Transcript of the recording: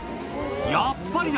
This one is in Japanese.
やっぱりだ。